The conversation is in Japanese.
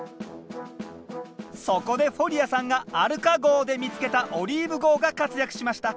そこでフォリアさんがアルカ号で見つけた「オリーブ号」が活躍しました。